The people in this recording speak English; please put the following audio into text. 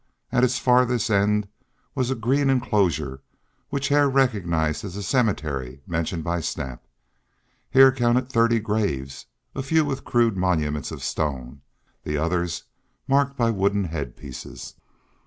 At its farthest end was a green enclosure, which Hare recognized as the cemetery mentioned by Snap. Hare counted thirty graves, a few with crude monuments of stone, the others marked by wooden head pieces.